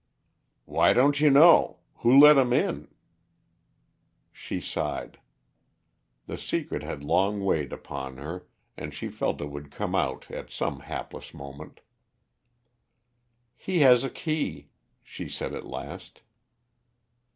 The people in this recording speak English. "Why don't you know? Who let him in?" She sighed. The secret had long weighed upon her, and she felt it would come out at some hapless moment. "He has a key," she said at last.